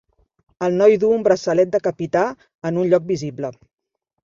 El noi duu un braçalet de capità en un lloc visible.